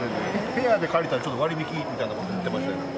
ペアで借りたらちょっと割引みたいなことも言ってましたけど。